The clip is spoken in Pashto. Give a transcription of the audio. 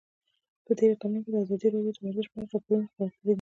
په تېرو کلونو کې ازادي راډیو د ورزش په اړه راپورونه خپاره کړي دي.